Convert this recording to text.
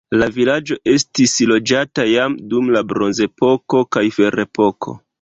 La vilaĝo estis loĝata jam dum la bronzepoko kaj ferepoko.